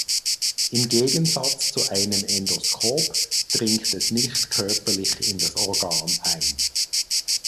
Im Gegensatz zu einem Endoskop dringt es nicht körperlich in das Organ ein.